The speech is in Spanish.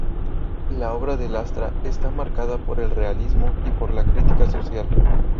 La obra de Lastra está marcada por el realismo y por la crítica social.